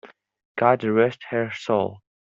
God rest her soul!